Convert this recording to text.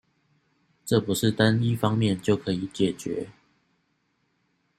這不是單一方面就可以解決